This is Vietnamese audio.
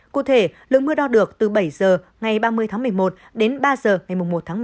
cụ thể lượng mưa đo được từ bảy giờ ngày ba mươi một mươi một đến ba giờ ngày một mươi một một mươi hai